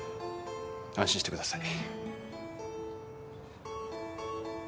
安心してください。